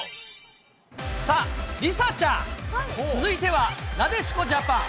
梨紗ちゃん、続いてはなでしこジャパン。